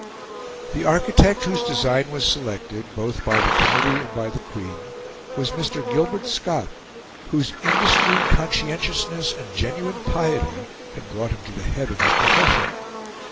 The architect whose design was selected, both by the committee and by the Queen, was Mr. Gilbert Scott, whose industry, conscientiousness, and genuine piety had brought him to the head of his profession.